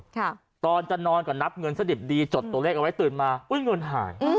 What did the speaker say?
ตอนจะนอนก็นับเงินซะดิบดีจดตัวเลขเอาไว้ตื่นมาอุ้ยเงินหาย